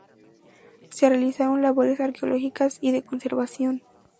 Se realizaron labores arqueológicas y de conservación.